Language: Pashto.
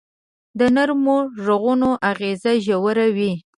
د نرمو ږغونو اغېز ژور وي.